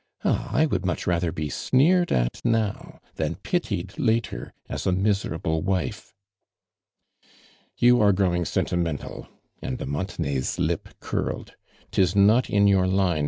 Ah ![ would much rather be sneered at now than pitied later as a miserable wife." " You are growing sentimental," and de Montenay's lip curle<i. " 'Tis not in your line.